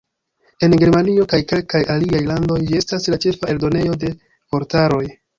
En Germanio kaj kelkaj aliaj landoj ĝi estas la ĉefa eldonejo de vortaroj.